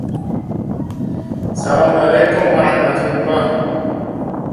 You Have to Accept it.